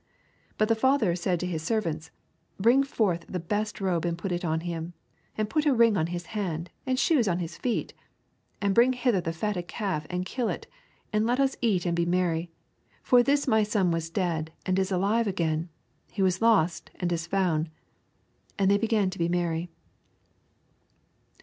But the father said to hie servants. Bring forth the best robe and put it on him, and put a ring on his hand, and shoes on his feet. And bring hither the fatted calf, and kill it, and let us eat and be merry ; for this my son was dead and is alive again, he was lost and is found. And they began to be merry.''